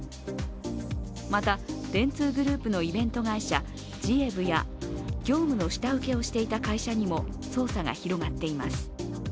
また電通グループのイベント会社、ジエブや業務の下請けをしていた会社にも捜査が広がっています。